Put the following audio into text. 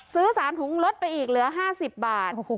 ซื้อสามถุงลดไปอีกเหลือห้าสิบบาท